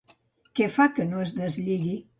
Què fa que no es deslligui?